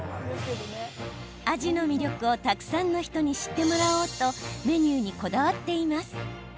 アジの魅力をたくさんの人に知ってもらおうとメニューにこだわっています。